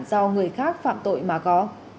do người khác phạm tội mà có